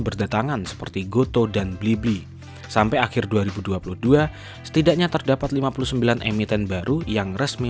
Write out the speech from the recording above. berdatangan seperti goto dan blibli sampai akhir dua ribu dua puluh dua setidaknya terdapat lima puluh sembilan emiten baru yang resmi